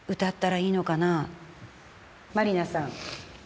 万里奈さん。